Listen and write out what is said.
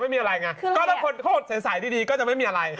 ไม่มีอะไรไงก็ถ้าคนเขาใสดีก็จะไม่มีอะไร